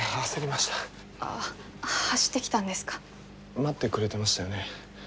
待ってくれてましたよね。